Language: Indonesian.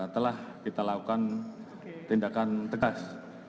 telah kita lakukan tindakan tegas